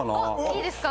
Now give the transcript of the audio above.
いいですか。